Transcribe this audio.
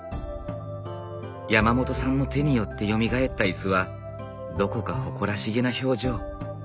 山本さんの手によってよみがえった椅子はどこか誇らしげな表情。